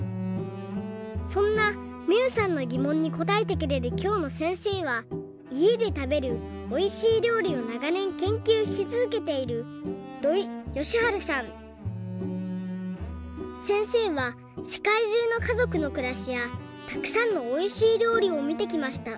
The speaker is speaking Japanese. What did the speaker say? そんなみゆさんのぎもんにこたえてくれるきょうのせんせいはいえでたべるおいしい料理をながねん研究しつづけているせんせいはせかいじゅうのかぞくのくらしやたくさんのおいしい料理をみてきました。